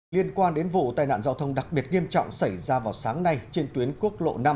liên quan đến vụ tai nạn giao thông đặc biệt nghiêm trọng xảy ra vào sáng nay trên tuyến quốc lộ năm